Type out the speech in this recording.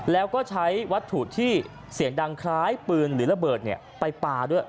แล้วก็ใช้วัตถุที่เสียงดังคล้ายปืนหรือระเบิดไปปลาด้วย